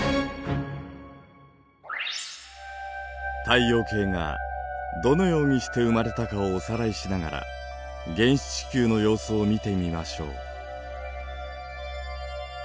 太陽系がどのようにして生まれたかをおさらいしながら原始地球の様子を見てみましょう。